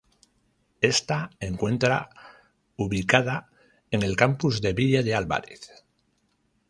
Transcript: Esta encuentra ubicada en el campus de Villa de Álvarez.